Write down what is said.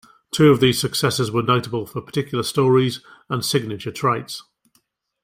Two of these successors were notable for particular stories and signature traits.